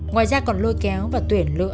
ngoài ra còn lôi kéo và tuyển lựa